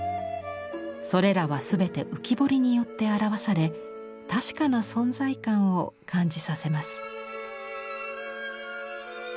それらは全て浮き彫りによって表され確かな存在感を感じさせます。